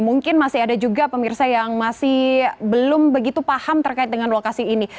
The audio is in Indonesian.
mungkin masih ada juga pemirsa yang masih belum begitu paham terkait dengan lokasi ini